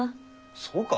そうか？